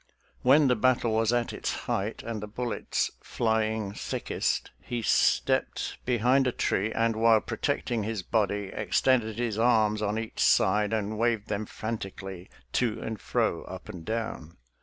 When the battle was at its height and the bullets flying thickest, he stepped be hind a tree, and, while protecting his body, ex tended his arms on each side and waved them frantically to and fro, up and down.